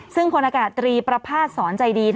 ซึ่งพลอากาศตรีประภาษณสอนใจดี